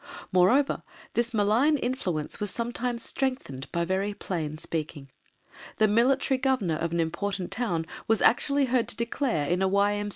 Moreover, this malign influence was sometimes strengthened by very plain speaking. The Military Governor of an important town was actually heard to declare in a Y.M.